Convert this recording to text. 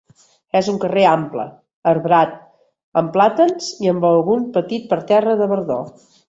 És un carrer ample, arbrat amb plàtans i amb algun petit parterre de verdor.